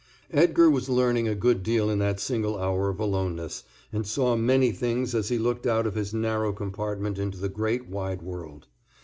Edgar was learning a good deal in that single hour of aloneness and saw many things as he looked out of his narrow compartment into the great wide world.